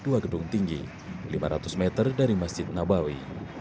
bergedung tinggi lima ratus meter dari masjid nabawi